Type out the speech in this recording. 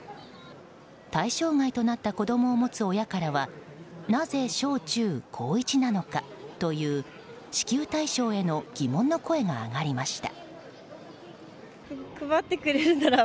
対象外となった子供を持つ親からはなぜ小中、高１なのかという支給対象への疑問の声が上がりました。